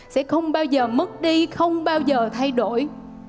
sẽ không bao giờ mất đi không bao giờ thay đổi